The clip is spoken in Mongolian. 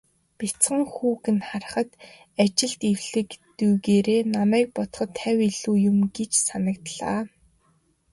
Бяцхан хүүг нь харахад, ажилд эвлэг дүйгээрээ намайг бодоход хавь илүү юм гэж санагдлаа.